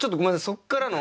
そっからの。